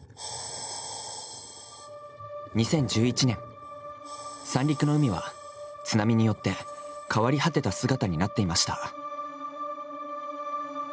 ２０１１年三陸の海は津波によって変わり果てた姿になっていました